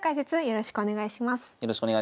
よろしくお願いします。